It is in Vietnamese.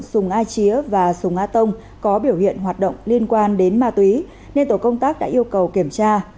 đối tượng súng a chía và súng a tông có biểu hiện hoạt động liên quan đến ma túy nên tổ công tác đã yêu cầu kiểm tra